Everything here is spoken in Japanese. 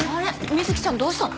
水木ちゃんどうしたの？